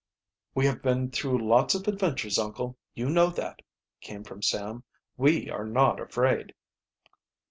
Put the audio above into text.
"We have been through lots of adventures, uncle, you know that," came from Sam. "We are not afraid."